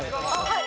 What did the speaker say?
はい。